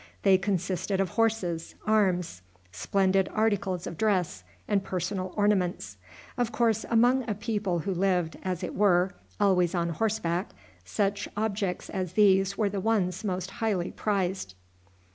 They consisted of horses, arms, splendid articles of dress, and personal ornaments. Of course, among a people who lived, as it were, always on horseback, such objects as these were the ones most highly prized.